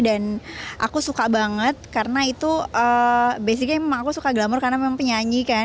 dan aku suka banget karena itu basically memang aku suka glamour karena memang penyanyi kan